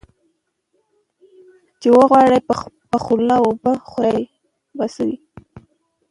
ـ چې وغواړې په خوله وبه خورې په څه.